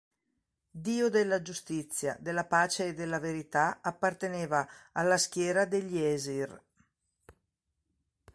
Dio della giustizia, della pace e della verità, apparteneva alla schiera degli Æsir.